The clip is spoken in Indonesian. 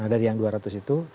dari yang dua ratus itu